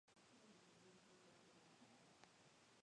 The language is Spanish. La estación está poseída por Grupo Radiofónico Centro.